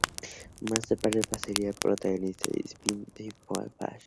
Más tarde pasaría a ser el protagonista del spin off "The Flash".